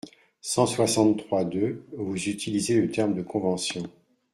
cent soixante-trois-deux, vous utilisez le terme de « convention ».